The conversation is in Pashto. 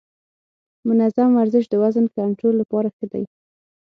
منظم ورزش د وزن کنټرول لپاره ښه دی.